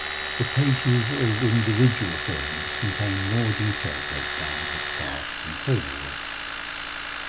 The pages of individual films contain more detailed breakdowns of cast and crew awards.